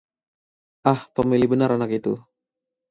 ah, pemilih benar anak itu